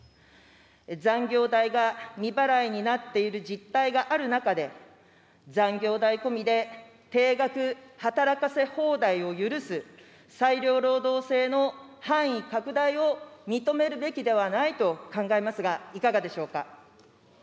残業代が未払いになっている実態がある中で、残業代込みで定額働かせ放題を許す裁量労働制の範囲拡大を認めるべきではないと考えますが、いかがでしょうか。